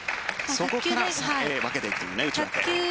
そこから打ち分けていく。